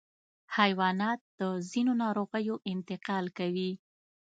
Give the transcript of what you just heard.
حیوانات د ځینو ناروغیو انتقال کوي.